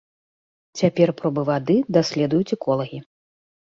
Цяпер пробы вады даследуюць эколагі.